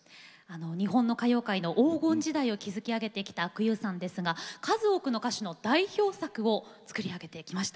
日本の歌謡界の黄金時代を築き上げてきた阿久悠さんですが数多くの歌手の代表作を作り上げてきました。